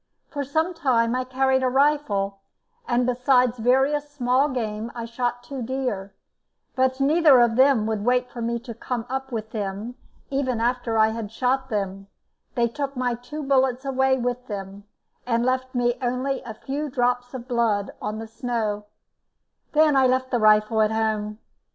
For some time I carried a rifle, and besides various small game I shot two deer, but neither of them would wait for me to come up with them even after I had shot them; they took my two bullets away with them, and left me only a few drops of blood on the snow; then I left the rifle at home.